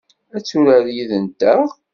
Ad turar yid-nteɣ?